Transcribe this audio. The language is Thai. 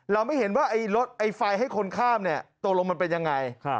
เราไม่เห็นว่าไฟให้คนข้ามตัวลมมันเป็นยังไง